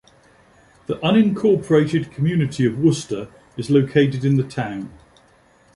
The unincorporated community of Worcester is located in the town.